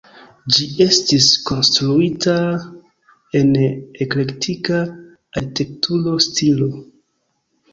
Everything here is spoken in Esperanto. Ĝi estis konstruita en eklektika arkitektura stilo.